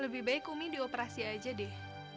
lebih baik umi dioperasi aja deh